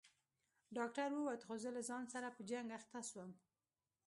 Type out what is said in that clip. ډاکتر ووت خو زه له ځان سره په جنگ اخته سوم.